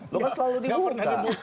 lo kan selalu dibuka